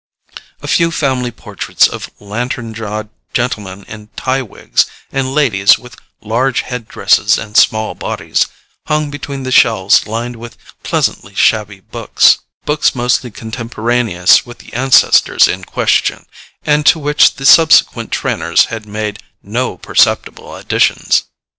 A few family portraits of lantern jawed gentlemen in tie wigs, and ladies with large head dresses and small bodies, hung between the shelves lined with pleasantly shabby books: books mostly contemporaneous with the ancestors in question, and to which the subsequent Trenors had made no perceptible additions.